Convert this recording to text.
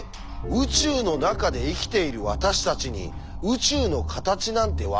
宇宙の中で生きている私たちに宇宙の形なんて分かるわけがない！？